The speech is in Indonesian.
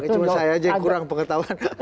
cuma saya aja yang kurang pengetahuan